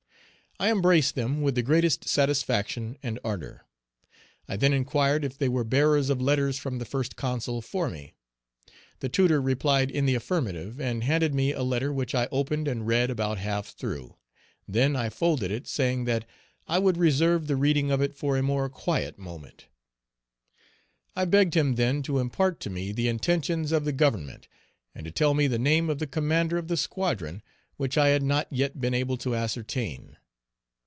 I embraced them with the greatest satisfaction and ardor. I then inquired if they were bearers of letters from the First Consul for me. The tutor replied in the affirmative, and handed me a letter which I opened and read about half through; then I folded it, saying that I would reserve the reading of it for a more quiet moment. I begged him then to impart to me the intentions of the Government, and to tell me the name of the commander of the squadron, which I had not yet been able to ascertain.